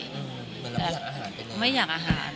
มึงละคืออาหารไปไหนไม่อยากอาหาร